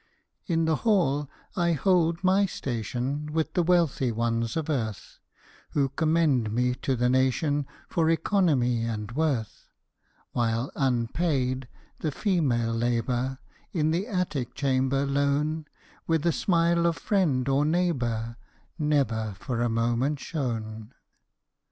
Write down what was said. In the hall I hold my station, With the wealthy ones of earth, Who commend me to the nation For economy and worth, While unpaid the female labor, In the attic chamber lone, Where the smile of friend or neighbor Never for a moment shone.